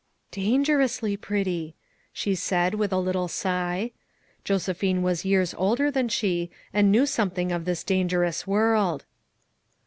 " Dangerously pretty/' she said with a little sigh. Josephine was years older than she, and knew something of this dangerous world.